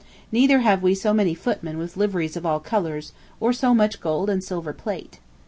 Neither have we so many footmen with liveries of all colours, or so much gold and silver plate.